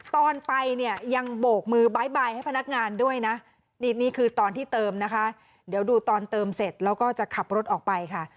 ตอนไปเนี่ยยังโบกมือบ๊ายบายให้พนักงานด้วยนะนี่นี่คือตอนที่เติมนะคะเดี๋ยวดูตอนเติมเสร็จแล้วก็จะขับรถออกไปค่ะ